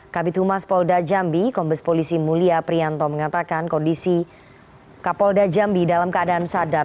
kabit humas polda jambi kombes polisi mulia prianto mengatakan kondisi kapolda jambi dalam keadaan sadar